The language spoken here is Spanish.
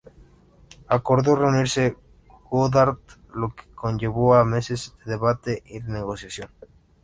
Acordó reunirse Godard lo que conllevó a meses de debate y negociación.